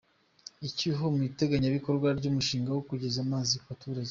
“Icyuho mu iteganyabikorwa ry’umushinga wo kugeza amazi ku baturage”